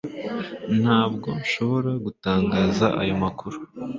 Ntabwo nshobora gutangaza ayo makuru